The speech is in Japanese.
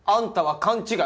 勘違い？